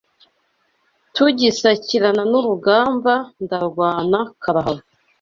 Tugisakirana n’urugamba ndarwana karahava